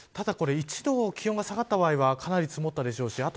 １度気温が下がった場合はかなり積もったでしょうし